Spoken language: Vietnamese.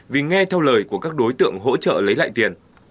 vì nghe theo lời của các đối tượng hỗ trợ lấy lại tiền